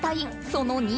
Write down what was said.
その２